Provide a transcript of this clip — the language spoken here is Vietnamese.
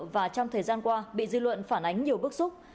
và trong thời gian qua bị dư luận phản ánh nhiều bức xúc